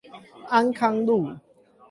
安康路